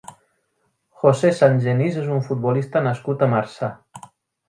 José Sangenís és un futbolista nascut a Marçà.